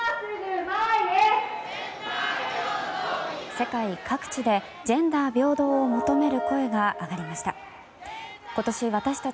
世界各地でジェンダー平等を求める声が上がりました。